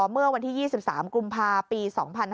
เมื่อวันที่๒๓กุมภาปี๒๕๕๙